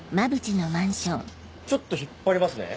ちょっと引っ張りますね。